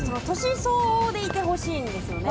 相応でいてほしいんですよね。